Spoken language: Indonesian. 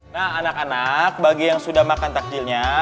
nah anak anak bagi yang sudah makan takjilnya